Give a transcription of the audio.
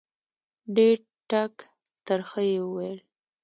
ډېر ټک ترخه یې وویل.